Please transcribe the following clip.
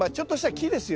木ですよ